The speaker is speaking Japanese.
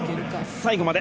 最後まで。